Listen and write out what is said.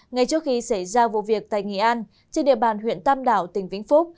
ngay trước khi xảy ra vụ việc tại nghệ an trên địa bàn huyện tam đảo tỉnh vĩnh phúc